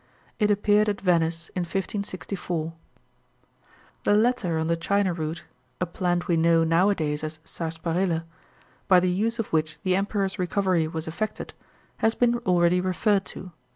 It appeared at Venice in 1564. The letter on the China root a plant we know nowadays as sarsaparilla by the use of which the emperor's recovery was effected, has been already referred to.